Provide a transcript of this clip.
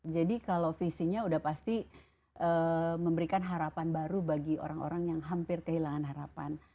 jadi kalau visinya sudah pasti memberikan harapan baru bagi orang orang yang hampir kehilangan harapan